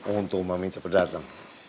untung mami cepat datang